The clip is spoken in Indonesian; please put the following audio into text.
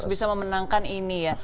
bisa memenangkan ini ya